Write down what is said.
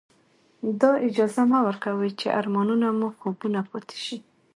دا اجازه مه ورکوئ چې ارمانونه مو خوبونه پاتې شي.